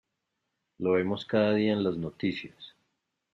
Lo vemos cada día en las noticias.